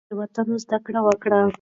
له تېروتنو زده کړه وکړئ.